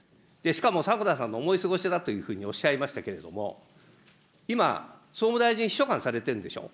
しかも迫田さんの思い過ごしだというふうにおっしゃいましたけれども、今、総務大臣秘書官されてるんでしょ。